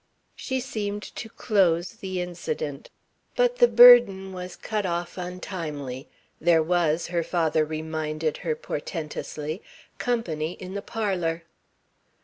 She seemed to close the incident. But the burden was cut off untimely. There was, her father reminded her portentously, company in the parlour.